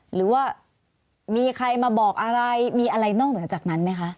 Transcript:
หรือว่ามีใครมาบอกอะไรมีอะไรนอกเหนือจากนั้นไหมคะ